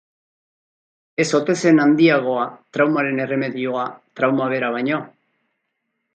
Ez ote zen handiagoa traumaren erremedioa trauma bera baino?